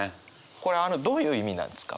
これどういう意味なんですか？